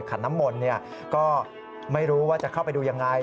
ขันน้ำมนต์ก็ไม่รู้ว่าจะเข้าไปดูยังไง